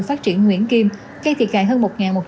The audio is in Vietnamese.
phát triển nguyễn kim khi thiệt hại hơn